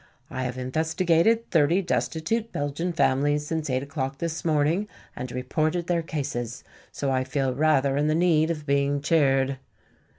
I have investigated thirty destitute Belgian families since eight o'clock this morning and reported their cases, so I feel rather in the need of being cheered."